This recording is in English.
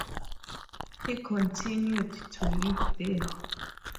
He continued to live there.